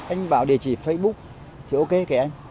anh bảo địa chỉ facebook thì ok kể anh